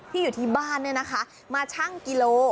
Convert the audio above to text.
อยู่ที่บ้านเนี่ยนะคะมาชั่งกิโล